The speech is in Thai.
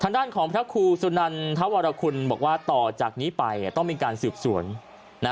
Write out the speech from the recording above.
ด้านของพระครูสุนันทวรคุณบอกว่าต่อจากนี้ไปต้องมีการสืบสวน